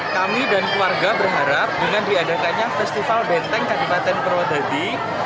kami dan keluarga berharap dengan diadakannya festival benteng kabupaten purwodadi